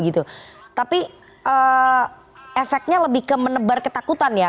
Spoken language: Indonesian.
tapi efeknya lebih ke menebar ketakutan ya